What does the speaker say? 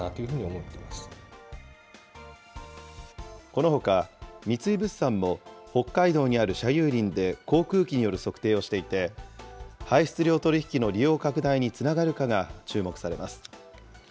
このほか、三井物産も北海道にある社有林で航空機による測定をしていて、排出量取引の利用拡大につながるかが注目されます。